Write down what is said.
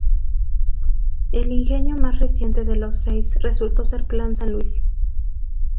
El ingenio más reciente de los seis, resultó ser Plan San Luis.